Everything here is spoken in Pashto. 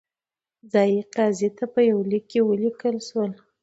ځايي قاضي ته په یوه لیک کې ولیکل شول.